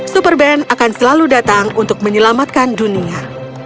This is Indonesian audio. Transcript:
super band akan selalu datang untuk menyelamatkan dunia